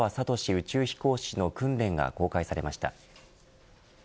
宇宙飛行士の訓練が公開されました。